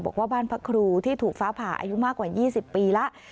บอกว่าบ้านพระครูที่ถูกฟ้าผ่าอายุมากกว่า๒๐ปีแล้ว